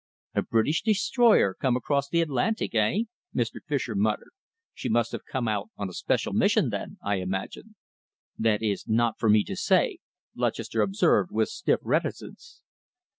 "A British destroyer come across the Atlantic, eh?" Mr. Fischer muttered. "She must have come out on a special mission, then, I imagine." "That is not for me to say," Lutchester observed, with stiff reticence.